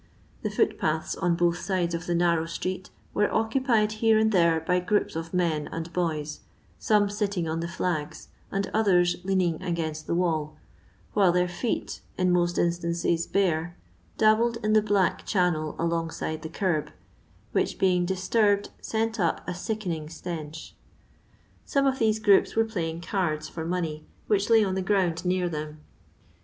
The footpaths on both sides of the narrow street were occupied here and there by groups of men and boys, some sitting on the flags and others leaning against the wall, while their feet, in most instances bore, dabbled in the black channel alongside the kerb, which being disturbed sent up a sickening stench. Some of these groups were pUying cards for money, which laj on the ground near them.